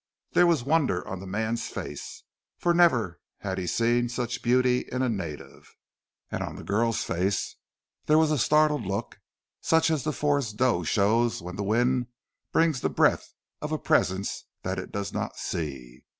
There was wonder on the man's face, for never had he seen such beauty in a native, and on the girl's face there was a startled look such as the forest doe shows when the wind brings the breath of a presence that it does not see.